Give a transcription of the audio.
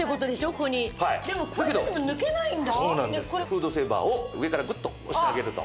フードセーバーを上からグッと押してあげると。